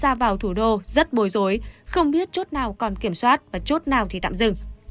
điều này đã khiến cho người dân muốn ra vào thủ đô rất bồi rối không biết chốt nào còn kiểm soát và chốt nào thì tạm dừng